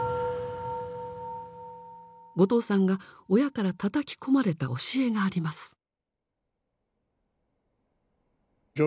後藤さんが親からたたき込まれた「教え」があります。